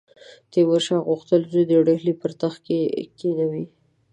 تیمورشاه غوښتل زوی ډهلي پر تخت کښېنوي.